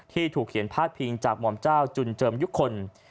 ที่ถูกเขียนพาดพิงจากหม่อมเจ้าจุนเจิมยุคล